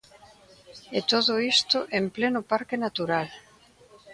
E todo isto en pleno parque natural.